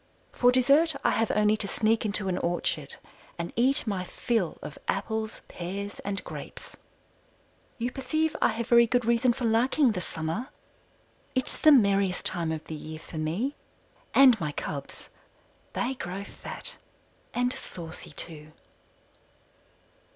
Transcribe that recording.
For dessert I have only to sneak into an orchard and eat my fill of apples, pears, and grapes. You perceive I have very good reason for liking the summer. It's the merriest time of the year for me, and my cubs. They grow fat and saucy, too.